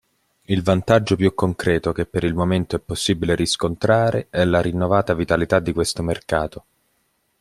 Il vantaggio più concreto che per il momento è possibile riscontrare è la rinnovata vitalità di questo mercato.